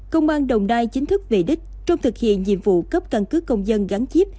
công an đồng đai chính thức về đích trong thực hiện nhiệm vụ cấp căn cứ công dân gắn chiếp